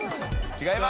違います！